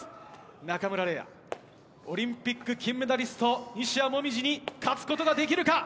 中村嶺亜、オリンピック金メダリスト、西矢椛に勝つことができるか。